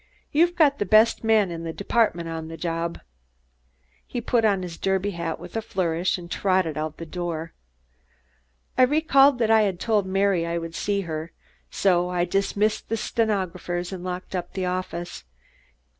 You've got the best man in the department on the job." He put on his derby hat with a flourish and trotted out the door. I recalled that I had told Mary I would see her, so I dismissed the stenographers and locked up the office.